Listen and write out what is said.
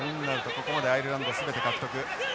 ここまでアイルランド全て獲得。